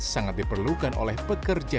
sangat diperlukan oleh pekerja